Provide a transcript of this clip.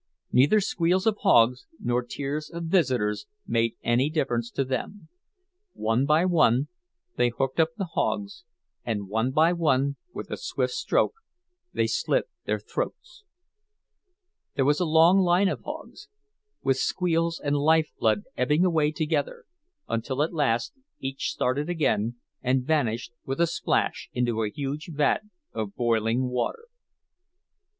Neither squeals of hogs nor tears of visitors made any difference to them; one by one they hooked up the hogs, and one by one with a swift stroke they slit their throats. There was a long line of hogs, with squeals and lifeblood ebbing away together; until at last each started again, and vanished with a splash into a huge vat of boiling water.